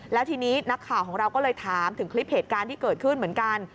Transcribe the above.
แล้วทีนี้นักข่าวของเราก็เลยถามถึงคลิปเหตุการณ์ที่เกิดขึ้นเหมือนกัน